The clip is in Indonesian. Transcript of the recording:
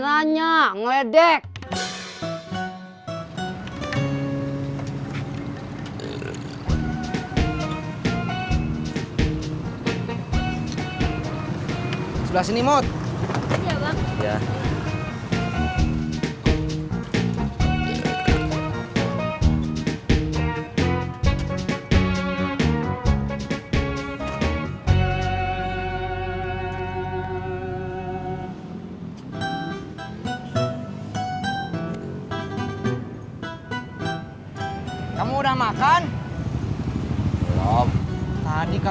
sayang kalau dibuangnya